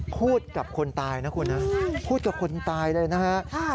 พูดกับคนตายนะคุณนะพูดกับคนตายเลยนะฮะ